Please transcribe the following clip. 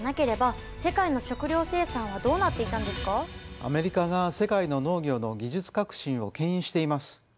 アメリカが世界の農業の技術革新をけん引しています。